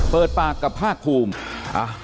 เปิดปากกับภาคภูมิ